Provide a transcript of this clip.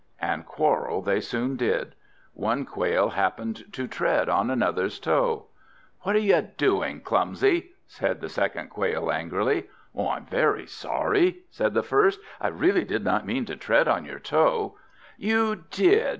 And quarrel they soon did. One Quail happened to tread on another's toe. "What are you doing, clumsy?" said the second Quail angrily. "I'm very sorry," said the first; "I really did not mean to tread on your toe." "You did!"